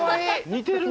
似てるな。